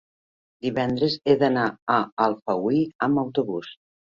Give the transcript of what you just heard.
Divendres he d'anar a Alfauir amb autobús.